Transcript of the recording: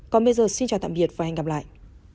còn bây giờ xin chào tạm biệt và hẹn gặp lại